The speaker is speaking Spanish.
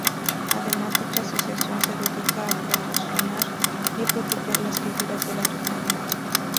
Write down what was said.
Además, dicha asociación se dedica a promocionar y proteger las figuras del Ayuntamiento.